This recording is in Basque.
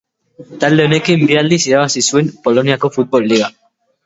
Talde honekin bi aldiz irabazi zuen Poloniako Futbol Liga.